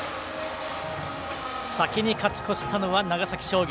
先に勝ち越したのは長崎商業。